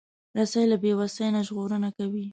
رسۍ له بیوسۍ نه ژغورنه کوي.